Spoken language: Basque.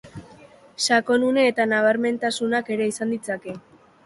Sakonune eta nabarmentasunak ere izan ditzake.